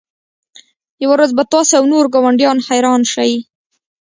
یوه ورځ به تاسو او نور ګاونډیان حیران شئ